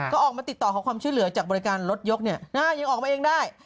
ก็ออกมาติดต่อขอความช่วยเหลือจากบริการรถยกยังออกมาเองได้